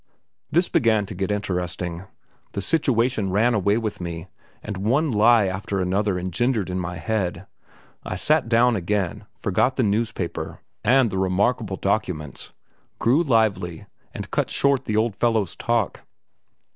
This began to get interesting. The situation ran away with me, and one lie after another engendered in my head. I sat down again, forgot the newspaper, and the remarkable documents, grew lively, and cut short the old fellow's talk.